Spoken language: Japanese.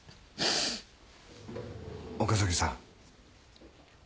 ・岡崎さん。